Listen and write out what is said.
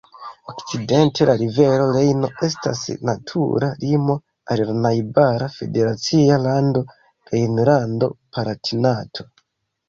Okcidente la rivero Rejno estas natura limo al la najbara federacia lando Rejnlando-Palatinato.